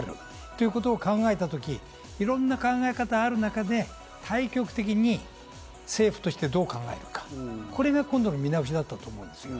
ということを考えたとき、いろんな考え方がある中で対極的に政府としてどう考えるか、これが今度の見直しだと思うんですよ。